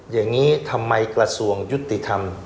อย่างนี้ทำไมกระทรวงยุติธรรม